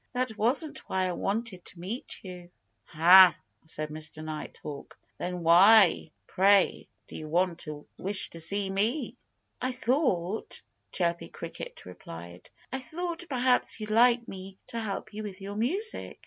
That wasn't why I wanted to meet you." "Ha!" said Mr. Nighthawk. "Then why pray did you wish to see me?" "I thought" Chirpy Cricket replied "I thought that perhaps you'd like me to help you with your music.